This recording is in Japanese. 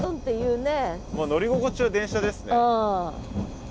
もう乗り心地は電車ですね。